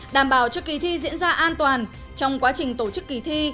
đảm bảo cho kỳ thi diễn ra an toàn trong quá trình tổ chức kỳ thi